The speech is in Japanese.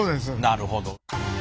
なるほど。